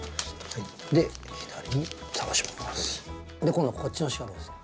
今度はこっちの四角をですね